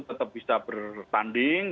tetap bisa bertanding